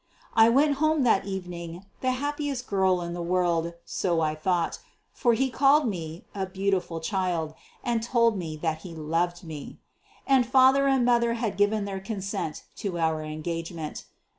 I went home that evening the happiest girl in the world, so I thought; for he had called me "a beautiful child," and told me that he loved me. And father and mother had given their consent to our engagement.